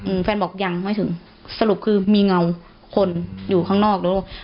อืมแฟนบอกยังไม่ถึงสรุปคือมีเงาคนอยู่ข้างนอกแล้ว